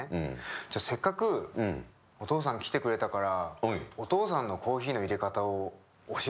じゃあせっかくお父さん来てくれたからお父さんのコーヒーのいれ方を教えてもらってもいい？